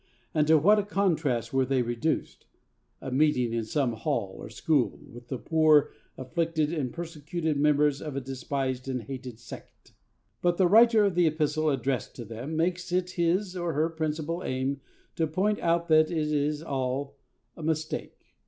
And to what a contrast were they reduced a meeting in some hall, or school, with the poor, afflicted, and persecuted members of a despised and hated sect!' But the writer of the epistle addressed to them makes it his or her principal aim to point out that it is all a mistake.